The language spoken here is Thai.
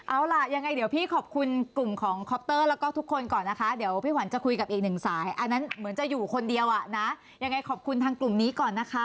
เอาล่ะยังไงเดี๋ยวพี่ขอบคุณกลุ่มของคอปเตอร์แล้วก็ทุกคนก่อนนะคะเดี๋ยวพี่ขวัญจะคุยกับอีกหนึ่งสายอันนั้นเหมือนจะอยู่คนเดียวอ่ะนะยังไงขอบคุณทางกลุ่มนี้ก่อนนะคะ